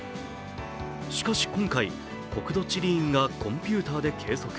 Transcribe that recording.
しかし今回、国土地理院がコンピュータで計測。